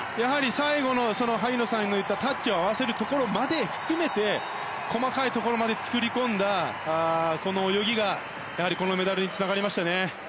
最後の、萩野さんが言ったタッチを合わせるところまで含め細かいところまで作り込んだ泳ぎがこのメダルにつながりましたね。